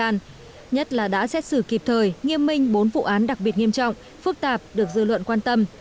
nhất là đã xét xử kịp thời nghiêm minh bốn vụ án đặc biệt nghiêm trọng phức tạp được dư luận quan tâm